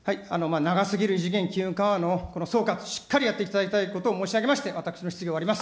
長すぎる異次元金融緩和の、この総括、しっかりやっていただきたいことを申し上げまして、私の質疑を終わります。